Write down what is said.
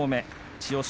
千代翔